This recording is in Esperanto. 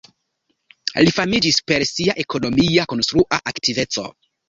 Li famiĝis per sia ekonomia konstrua aktiveco.